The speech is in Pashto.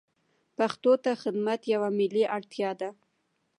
پښتو ته خدمت یوه ملي اړتیا ده.